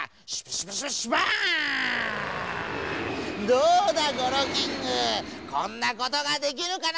どうだゴロウキングこんなことができるかな？